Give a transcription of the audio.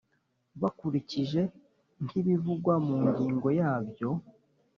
bakurikije nk'ibivugwa mu ngingo yabyo